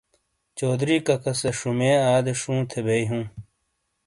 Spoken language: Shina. چوہدری کاکا سے شمۓ ادے شووں تھے بیۓ ہوں۔